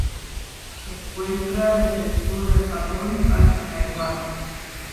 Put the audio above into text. Se encuentra desde el sur del Japón hasta Taiwán.